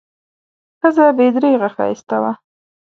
ښځه بې درېغه ښایسته وه.